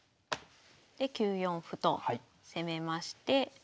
で９四歩と攻めまして。